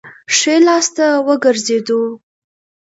ښي لاس ته وګرځېدو.